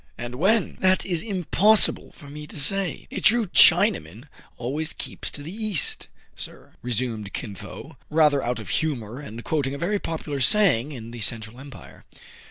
"And when?" "That is impossible for me to say." " A true Chinaman always keeps to the east, sir," resumed Kin Fo, rather out of humor, and quoting a very popular saying in the Central Empire.